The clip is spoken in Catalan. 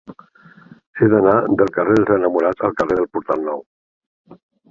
He d'anar del carrer dels Enamorats al carrer del Portal Nou.